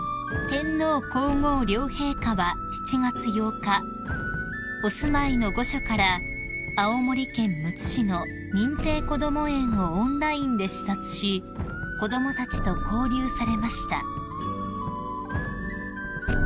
［天皇皇后両陛下は７月８日お住まいの御所から青森県むつ市の認定こども園をオンラインで視察し子供たちと交流されました］